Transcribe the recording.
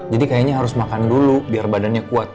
jadi kayaknya harus makan dulu biar badannya kuat